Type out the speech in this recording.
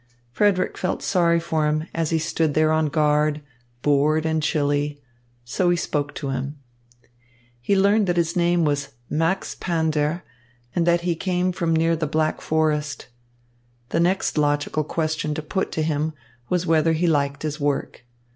Frederick felt sorry for him as he stood there on guard, bored and chilly; so he spoke to him. He learned that his name was Max Pander and that he came from near the Black Forest. The next logical question to put to him was whether he liked his work.